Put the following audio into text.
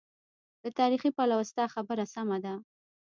له تاریخي پلوه ستا خبره سمه ده.